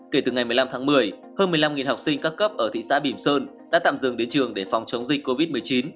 kể từ ngày một mươi năm tháng một mươi hơn một mươi năm học sinh các cấp ở thị xã bìm sơn đã tạm dừng đến trường để phòng chống dịch covid một mươi chín